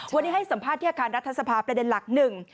วันนี้ให้สัมภาษณ์ที่อาคารรัฐสภาประเด็นหลักหนึ่ง